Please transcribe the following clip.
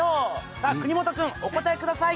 さぁ国本君お答えください。